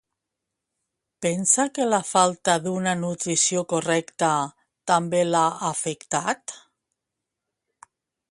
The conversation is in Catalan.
Pensa que la falta d'una nutrició correcta també l'ha afectat?